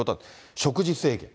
食事制限。